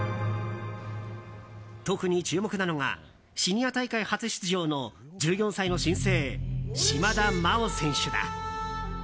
特に注目なのがシニア大会初出場の１４歳の新星、島田麻央選手だ。